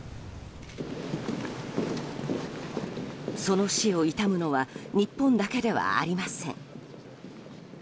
その死を悼むのは日本だけではありません。